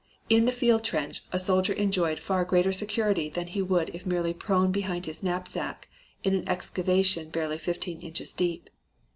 In the field trench, a soldier enjoyed far greater security than he would if merely prone behind his knapsack in an excavation barely fifteen inches deep.